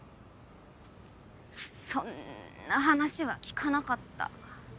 そんな話は聞かなかった。